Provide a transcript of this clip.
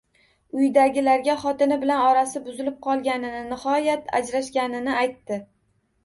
Uydagilarga xotini bilan orasi buzilib qolganini, nihoyat ajrashganini aytdi